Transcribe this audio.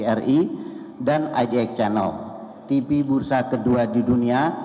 tri dan idx channel tv bursa kedua di dunia